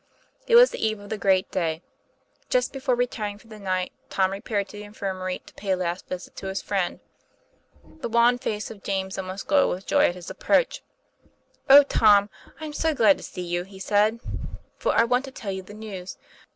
It was the eve of the great day. Just before retiring for the night Tom repaired to the infirmary to pay a last visit to his friend. The wan face of James almost glowed with joy at his approach. "Oh, Tom, I'm so glad to see you," he said, "for I want to tell you the news.